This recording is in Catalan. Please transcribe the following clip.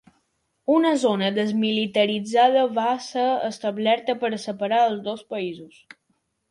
Una zona desmilitaritzada va ser establerta per a separar els dos països.